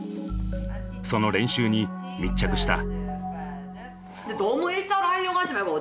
その練習に密着した。